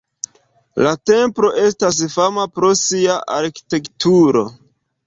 La templo estas fama pro sia arkitekturo.